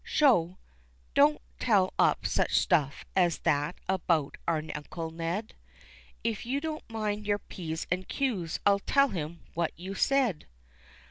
Sho! don't tell up such stuff as that about our Uncle Ned, If you don't mind your p's and q's I'll tell him what you said.